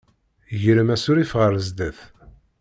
Grem asurif ɣer sdat.